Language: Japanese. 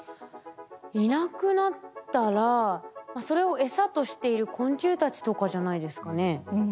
いなくなったらそれを餌としている昆虫たちとかじゃないですかね？